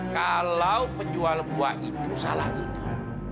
kalau penjual buah itu salah ikan